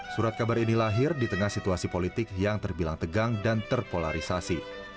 surat kabar ini lahir di tengah situasi politik yang terbilang tegang dan terpolarisasi